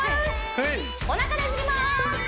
おなかねじります